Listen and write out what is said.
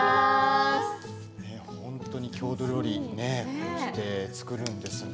本当に郷土料理として作るんですね。